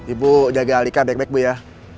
ibu jaga alika baik baik ya